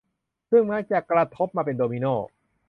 ซึ่งมักจะกระทบมาเป็นโดมิโน่